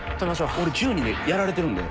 俺１０人でやられてるんで。